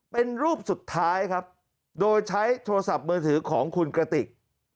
เป็นรูปสุดท้ายครับโดยใช้โทรศัพท์มือถือของคุณกระติก